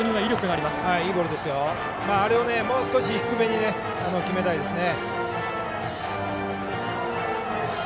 あれをもう少し低めに決めたいですね。